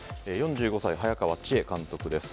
４５歳、早川千絵監督です。